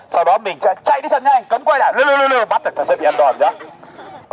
sau đó mình sẽ chạy đi thật nhanh cấm quay lại lưu lưu lưu lưu bắt được thật sẽ bị an toàn chứ